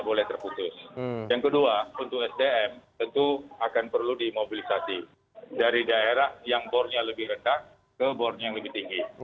boleh terputus yang kedua untuk sdm tentu akan perlu dimobilisasi dari daerah yang bornya lebih rendah ke bornya yang lebih tinggi